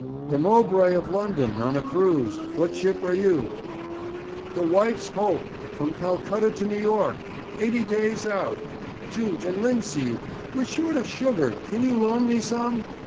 'The Mowbray, of London, on a cruise. What ship are you?' 'The Wife's Hope, from Calcutta to New York! Eighty days out! Jute and linseed! We're short of sugar: can you loan me some?'